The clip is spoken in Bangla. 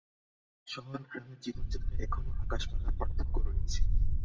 শহর ও গ্রামের জীবনযাত্রায় এখনও আকাশ-পাতাল পার্থক্য রয়েছে।